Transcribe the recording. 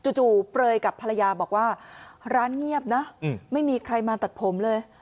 จู่เปลยกับภรรยาบอกว่าร้านเงียบนะไม่มีใครมาตัดผมเลย